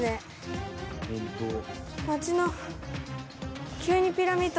街の。